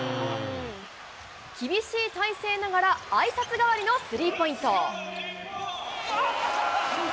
厳しい体勢ながら、あいさつ代わりのスリーポイント。